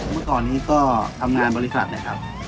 เมื่อก่อนนี้ก็ทำงานบริษัทนะครับ